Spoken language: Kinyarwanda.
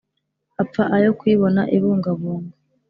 Apfa ayo kuyibona ibungabunga;